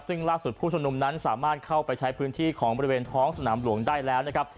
ซึ่งล่าสุดผู้ชมนุมนั้นสามารถเข้าไปใช้พื้นที่ของบริเวณท้องสนามหลวงได้แล้วนะครับ